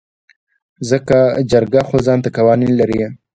ځکه جرګه خو ځانته قوانين لري .